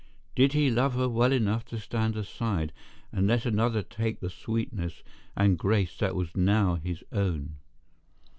Did he love her well enough to stand aside and let another take the sweetness and grace that was now his own?